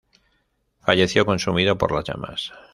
Falleció consumido por las llamas.